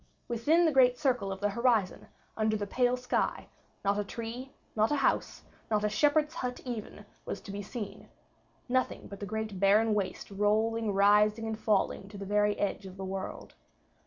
Within the great circle of the horizon, under the pale sky, not a tree, not a house, not a shepherd's hut even was to be seen nothing but the great barren waste rolling, rising and falling to the very edge of the world.